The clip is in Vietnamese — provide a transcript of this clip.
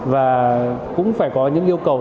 và cũng phải có những yêu cầu